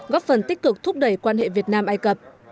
góp phần tích cực thúc đẩy quan hệ việt nam ai cập